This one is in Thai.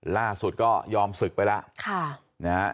ล่าสุดก็ยอมศึกไปแล้วค่ะนะฮะ